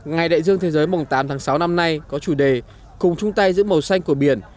ngày đại dương thế giới mùng tám tháng sáu năm nay có chủ đề cùng chung tay giữ màu xanh của biển